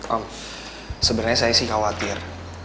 om sebenarnya saya sih khawatir